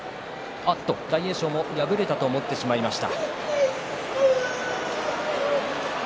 大栄翔も敗れたと思ってしまいました。